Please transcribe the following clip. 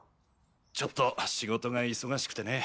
ちょっと仕事が忙しくてね。